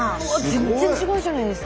全然違うじゃないですか！